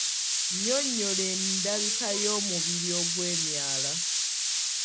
Nyonnyola endabika y’omubiri ogwe myala.